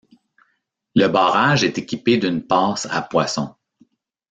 Le barrage est équipé d'une passe à poissons.